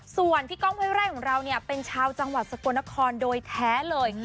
ส่วนพี่ก้องห้วยไร่ของเราเนี่ยเป็นชาวจังหวัดสกลนครโดยแท้เลย